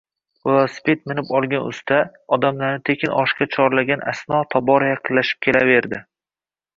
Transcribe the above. Velosiped minib olgan usta, odamlarni tekin oshga chorlagan asno, tobora yaqinlashib kelaverdi